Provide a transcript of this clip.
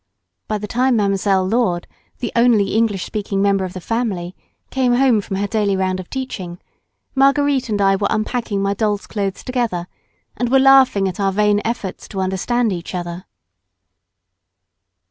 By the time Mdlle. Lourdes, the only English speaking member of the family came home from her daily round of teaching, Marguerite and I were unpacking my doll's clothes together and were laughing at our vain efforts to understand each other.